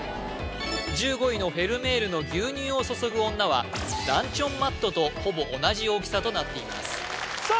１５位のフェルメールの「牛乳を注ぐ女」はランチョンマットとほぼ同じ大きさとなっていますさあ